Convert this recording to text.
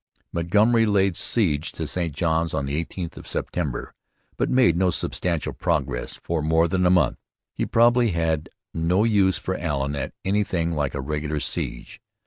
Montgomery laid siege to St Johns on the 18th of September, but made no substantial progress for more than a month. He probably had no use for Allen at anything like a regular siege.